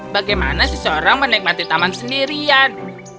bagaimana seseorang menikmati taman sendirian